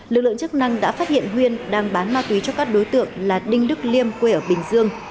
lực lượng chức năng đã phát hiện huyên đang bán ma túy cho các đối tượng là đinh đức liêm quê ở bình dương